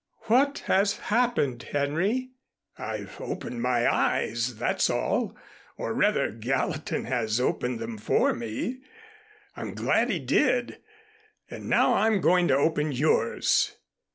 What has happened, Henry?" "I've opened my eyes, that's all, or rather Gallatin has opened them for me. I'm glad he did. And now I'm going to open yours.